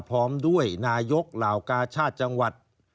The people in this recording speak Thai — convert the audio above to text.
พร้อมด้วยนายกเหล่ากาชาติจังหวัด